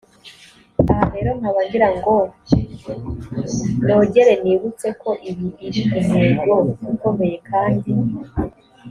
aha rero nkaba ngira ngo nogere nibutse ko iyi iri intego ikomeye kandi